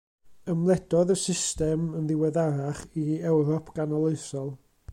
Ymledodd y system, yn ddiweddarach, i Ewrop ganoloesol.